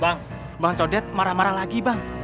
bang bang codet marah marah lagi bang